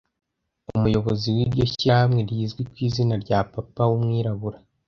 Umuyobozi w'iryo shyirahamwe rizwi ku izina rya Papa w'umwirabura